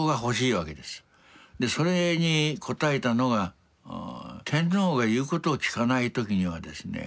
それに応えたのが天皇が言うことを聞かない時にはですね